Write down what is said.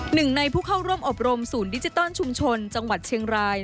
หนึ่งในผู้เข้าร่วมอบรมศูนย์ดิจิตอลชุมชนจังหวัดเชียงราย